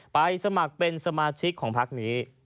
สมัครเป็นสมาชิกของพักนี้